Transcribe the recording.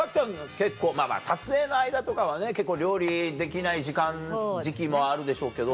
結構撮影の間とかはね結構料理できない時期もあるでしょうけど